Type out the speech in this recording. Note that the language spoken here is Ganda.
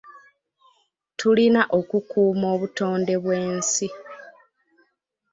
Tulina okukuuma obutonde bw'ensi.